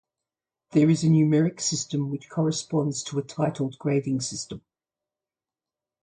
There is a numeric system which corresponds to a titled grading system.